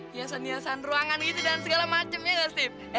hiasan hiasan ruangan gitu dan segala macem ya nggak steve